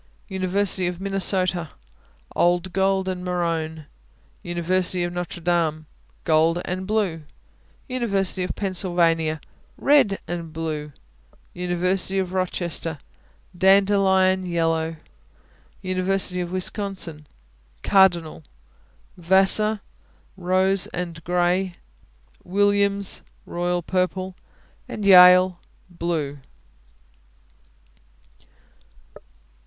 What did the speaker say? University of Minnesota Old gold and maroon. University of Notre Dame Gold and blue. University of Pennsylvania Red and blue. University of Rochester Dandelion yellow. University of Wisconsin Cardinal. Vassar Rose and gray. Williams Royal purple. Yale Blue.